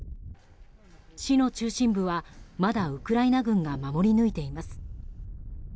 市の中心部はまだウクライナ軍が守り抜いています。